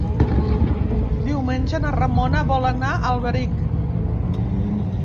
Diumenge na Ramona vol anar a Alberic.